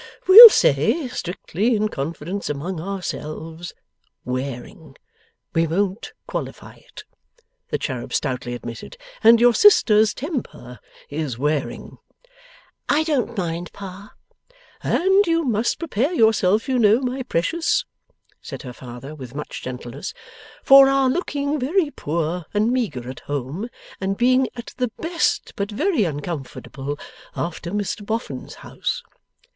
We'll say, strictly in confidence among ourselves, wearing; we won't qualify it,' the cherub stoutly admitted. 'And your sister's temper is wearing.' 'I don't mind, Pa.' 'And you must prepare yourself you know, my precious,' said her father, with much gentleness, 'for our looking very poor and meagre at home, and being at the best but very uncomfortable, after Mr Boffin's house.